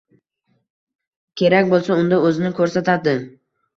Kerak boʻlsa, unda oʻzini koʻrsatidi